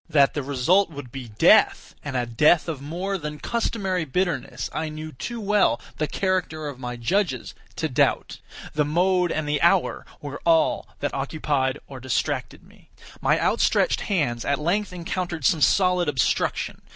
That the result would be death, and a death of more than customary bitterness, I knew too well the character of my judges to doubt. The mode and the hour were all that occupied or distracted me. My outstretched hands at length encountered some solid obstruction.